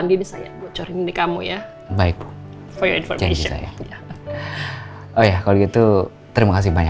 ini perempuan deh kayaknya